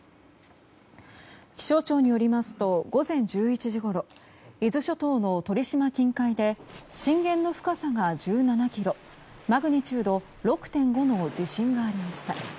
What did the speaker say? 気象庁によりますと午前１１時ごろ伊豆諸島の鳥島近海で震源の深さが１７ｋｍマグニチュード６．５の地震がありました。